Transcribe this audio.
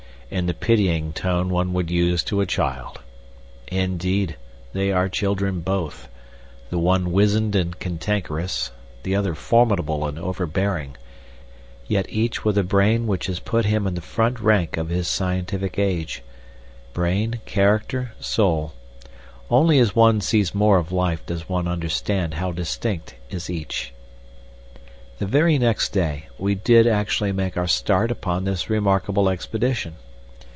in the pitying tone one would use to a child. Indeed, they are children both the one wizened and cantankerous, the other formidable and overbearing, yet each with a brain which has put him in the front rank of his scientific age. Brain, character, soul only as one sees more of life does one understand how distinct is each. The very next day we did actually make our start upon this remarkable expedition.